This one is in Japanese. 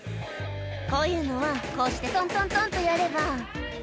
「こういうのはこうしてトントントンっとやれば」